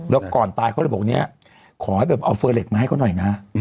แล้วก่อนตายเขาเลยบอกขอเอาเฟอร์เร็กซ์มาให้เขาหน่อยนะ